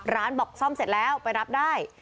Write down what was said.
บอกซ่อมเสร็จแล้วไปรับได้